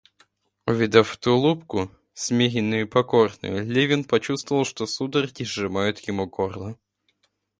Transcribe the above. Увидав эту улыбку, смиренную и покорную, Левин почувствовал, что судороги сжимают ему горло.